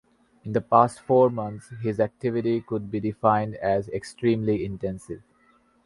In the past four months his activity could be defined as extremely intensive.